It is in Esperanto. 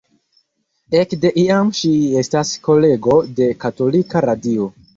Ekde iam ŝi estas kolego de katolika radio.